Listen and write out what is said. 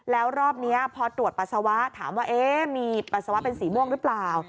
แล้วรอบนี้พอตรวจปัสสาวะถามว่ามีปัสสาวะเป็นสีม่วงหรือเปล่า